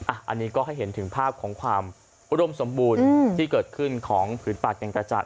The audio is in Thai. อันนี้ก็ให้เห็นถึงภาพของความอุดมสมบูรณ์ที่เกิดขึ้นของผืนป่าแก่งกระจัด